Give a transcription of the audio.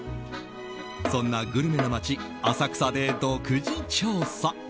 そんなグルメな街・浅草で独自調査。